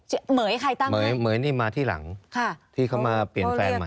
เหม๋ยใครตั้งเหม๋ยเหม๋ยนี่มาที่หลังค่ะที่เขามาเปลี่ยนแฟนใหม่